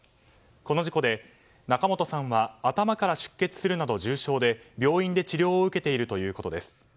この事故で、仲本さんは頭から出血するなど重傷で病院で治療を受けているということです。